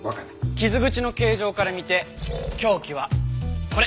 傷口の形状から見て凶器はこれ。